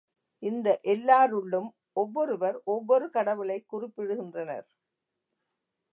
இந்த எல்லாருள்ளும் ஒவ்வொருவர் ஒவ்வொரு கடவுளைக்குறிப்பிடுகின்றனர்.